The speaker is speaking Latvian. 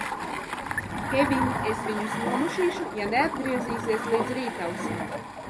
Kevin, es viņus nomušīšu, ja neatgriezīsies līdz rītausmai!